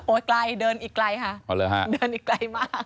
ไกลเดินอีกไกลค่ะเดินอีกไกลมาก